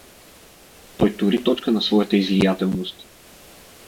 Той тури точка на своята излиятелност.